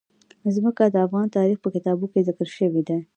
ځمکه د افغان تاریخ په کتابونو کې ذکر شوی دي.